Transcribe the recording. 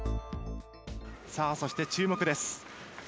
さあ、そして注目です。